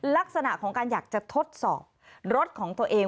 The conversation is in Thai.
ลักษณะของการอยากจะทดสอบรถของตัวเอง